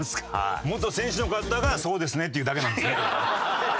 元選手の方が「そうですね」って言うだけなんですね。